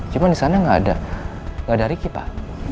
cuma di sana enggak ada enggak ada riki pak